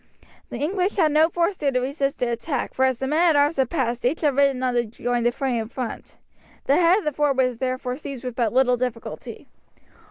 The English had no force there to resist the attack, for as the men at arms had passed, each had ridden on to join the fray in front. The head of the ford was therefore seized with but little difficulty.